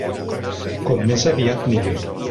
Com més aviat millor.